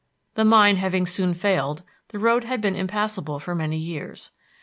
The mine having soon failed, the road had been impassable for many years.